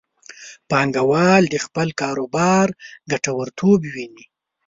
پانګوال د خپل کاروبار ګټورتوب ویني.